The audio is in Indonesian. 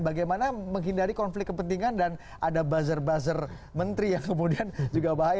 bagaimana menghindari konflik kepentingan dan ada buzzer buzzer menteri yang kemudian juga bahaya